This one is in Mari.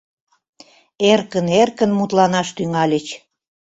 Эркын-эркын мутланаш тӱҥальыч.